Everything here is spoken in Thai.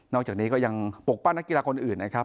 จากนี้ก็ยังปกปั้นนักกีฬาคนอื่นนะครับ